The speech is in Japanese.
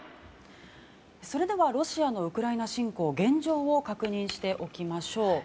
ロシアのウクライナ侵攻現状を確認しておきましょう。